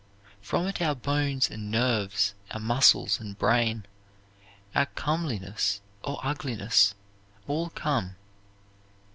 From it our bones and nerves, our muscles and brain, our comeliness or ugliness, all come.